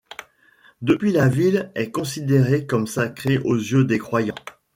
Depuis la ville est considérée comme sacrée aux yeux des croyants.